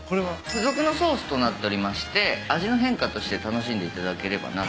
付属のソースとなっておりまして味の変化として楽しんでいただければな。